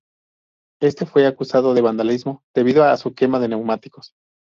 Éste fue acusado de vandalismo debido a su quema de neumáticos.